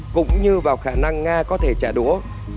cũng như vào khả năng nga có thể trả đũa